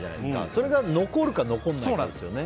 それが残るか残らないかですね。